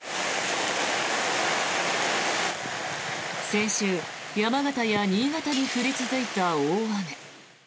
先週、山形や新潟に降り続いた大雨。